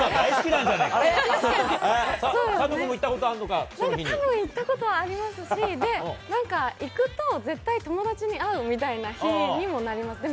なんかたぶん行ったことありますし、なんか、行くと、絶対友達に会うみたいな日にもなりますね。